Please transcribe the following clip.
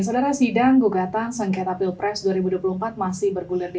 saudara sidang gugatan sengketa pilpres dua ribu dua puluh empat masih bergulir di